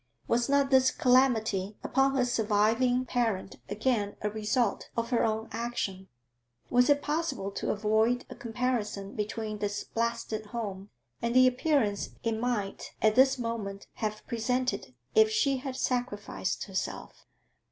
Was not this calamity upon her surviving parent again a result of her own action? Was it possible to avoid a comparison between this blasted home and the appearance it might at this moment have presented if she had sacrificed herself?